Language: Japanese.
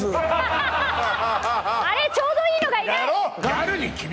ちょうどいいのがいない！